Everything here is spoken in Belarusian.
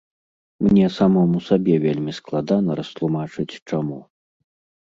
Мне самому сабе вельмі складана растлумачыць чаму.